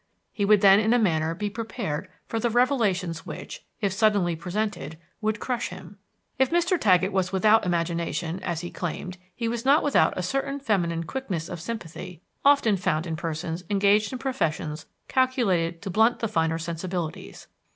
He would then in a manner be prepared for the revelations which, if suddenly presented, would crush him. If Mr. Taggett was without imagination, as he claimed, he was not without a certain feminine quickness of sympathy often found in persons engaged in professions calculated to blunt the finer sensibilities.